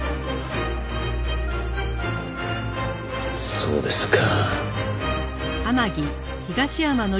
そうですか。